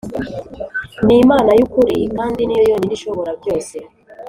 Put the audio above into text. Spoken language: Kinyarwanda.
Ni Imana y ukuri kandi niyo yonyine ishobora byose